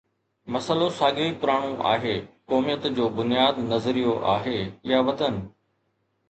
مسئلو ساڳيو ئي پراڻو آهي: قوميت جو بنياد نظريو آهي يا وطن؟